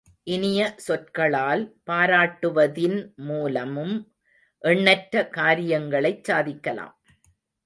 இனிய சொற்களால் பாராட்டுவதின் மூலமும் எண்ணற்ற காரியங்களைச் சாதிக்கலாம்.